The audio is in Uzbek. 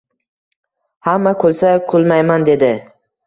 Hamma kulsa kulmayman dedi